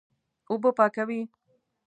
اوبه پاکوي.